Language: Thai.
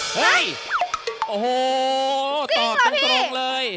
เฮ้ยโอ้โหตอบตรงเลย